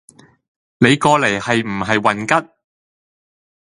你过嚟系唔系混吉